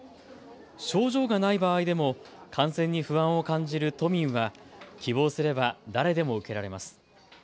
症状がない場合でも感染に不安を感じる都民は、希望すれば誰でも受けられます。